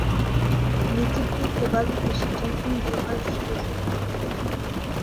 Il était peu probable que ce tampon durât jusqu’au jour.